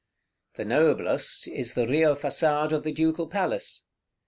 The noblest is the Rio Façade of the Ducal Palace.